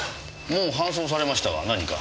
もう搬送されましたが何か？